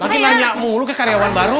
mungkin nanya mulu ke karyawan baru